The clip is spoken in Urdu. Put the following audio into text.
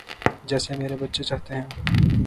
جیسے میرے بچے چاہتے ہیں۔